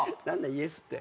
「イエス」って。